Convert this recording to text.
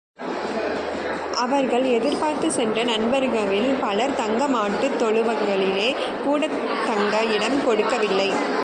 அவர்கள் எதிர்பார்த்துச் சென்ற நண்பர்கவில் பலர் தங்க மாட்டுத்தொழுவங்களிலே கூடத் தங்க இடம் கொடுக்கவில்லை.